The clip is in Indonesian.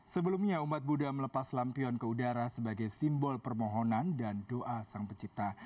sebelumnya umat buddha melepas lampion ke udara sebagai simbol permohonan dan doa sang pencipta